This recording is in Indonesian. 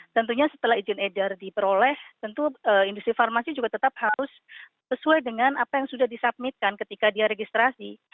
tentunya setelah izin edar diperoleh tentu industri farmasi juga tetap harus sesuai dengan apa yang sudah disubmitkan ketika dia registrasi